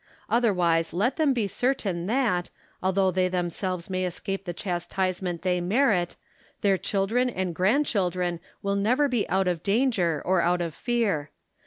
Otherwise let them be certain that, although they themselves may escape the chastisement they merit, their children and grand children will never be out of danger or out of fear.